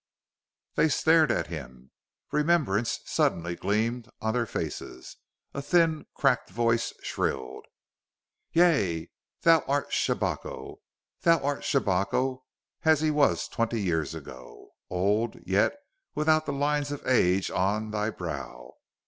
They stared at him. Remembrance suddenly gleamed on their faces. A thin, cracked voice shrilled: "Yea! Thou art Shabako! Thou art Shabako as he was twenty years ago old, yet without the lines of age on thy brow!